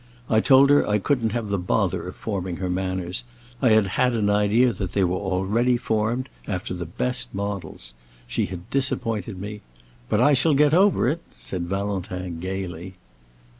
I told her I couldn't have the bother of forming her manners; I had had an idea they were already formed, after the best models. She had disappointed me. But I shall get over it," said Valentin, gaily.